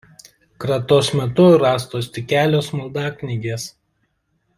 Kratos metu rastos tik kelios maldaknygės.